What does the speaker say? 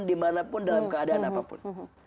dimanapun dalam keadaan apapun